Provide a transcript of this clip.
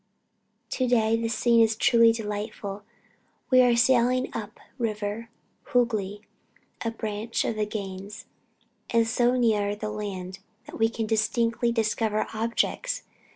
To day the scene is truly delightful. We are sailing up the river Hoogly, a branch of the Ganges, and so near the land that we can distinctly discover objects.